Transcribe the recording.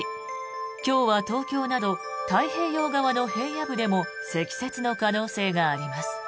今日は東京など太平洋側の平野部でも積雪の可能性があります。